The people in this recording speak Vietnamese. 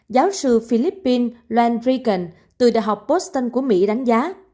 giáo sư philippines len regan từ đại học boston của mỹ đánh giá